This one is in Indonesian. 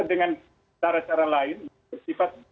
atau dengan cara cara lain bersifat menyerang kpk